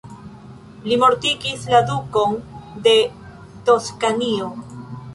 Li mortigis la Dukon de Toskanio.